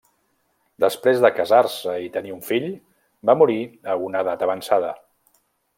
Després de casar-se i tenir un fill, va morir a una edat avançada.